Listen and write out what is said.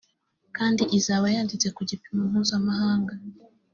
kandi izaba yanditse ku gipimo mpuzamahanga